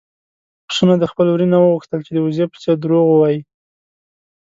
پسونو د خپل وري نه وغوښتل چې د وزې په څېر دروغ ووايي.